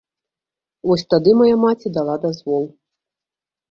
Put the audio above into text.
Вось тады мая маці дала дазвол.